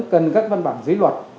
cần các văn bản dưới luật